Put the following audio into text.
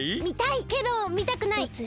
みたいけどみたくない。